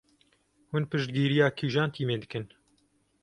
Hûn piştgiriya kîjan tîmê dikin?